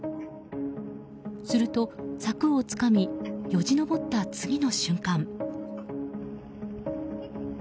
すると柵をつかみよじ登った次の瞬間。